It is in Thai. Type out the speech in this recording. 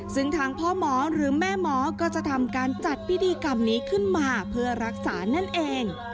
ซึ่งทางพ่อหมอหรือแม่หมอก็จะทำการจัดพิธีกรรมนี้ขึ้นมาเพื่อรักษานั่นเอง